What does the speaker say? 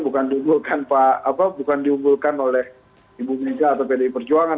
bukan diunggulkan oleh ibu mega atau pdi perjuangan